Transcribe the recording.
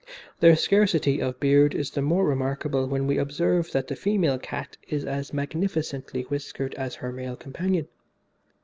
Their scarcity of beard is the more remarkable when we observe that the female cat is as magnificently whiskered as her male companion.